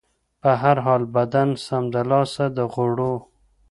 په هر حال، بدن سمدلاسه د غوړو